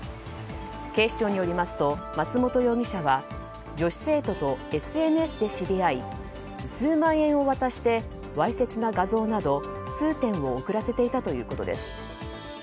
警視庁によりますと松本容疑者は女子生徒とＳＮＳで知り合い数万円を渡してわいせつな画像など数点を送らせていたということです。